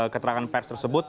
keterangan pers tersebut